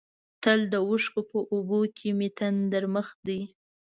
تل د اوښکو په اوبو کې مې تندر مخ دی.